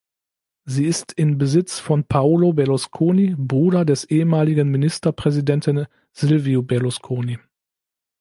Sie ist in Besitz von Paolo Berlusconi, Bruder des ehemaligen Ministerpräsidenten Silvio Berlusconi.